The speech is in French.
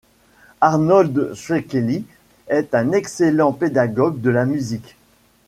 Arnold Székely est un excellent pédagogue de la musique.